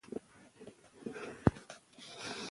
که تعلیمي نصاب له معیار سره سم وي، نو بریا تضمین ده.